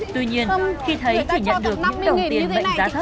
tuy nhiên khi thấy chị nhận được những đồng tiền bệnh giá thấp